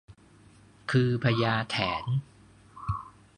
คือพญาแถน